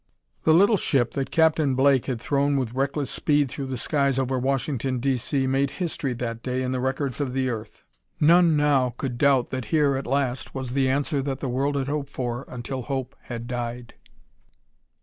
] The little ship that Captain Blake had thrown with reckless speed through the skies over Washington, D. C., made history that day in the records of the earth. None, now, could doubt that here, at last, was the answer that the world had hoped for until hope had died.